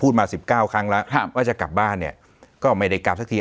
ภูมิผู้มา๑๙ครั้งแล้วครับว่าจะกลับบ้านเนี่ยก็ไม่ได้กลับซักที